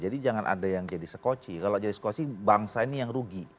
jadi jangan ada yang jadi sekoci kalau jadi sekoci bangsa ini yang rugi